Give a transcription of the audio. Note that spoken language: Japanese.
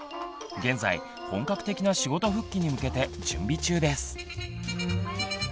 現在本格的な仕事復帰に向けて準備中です。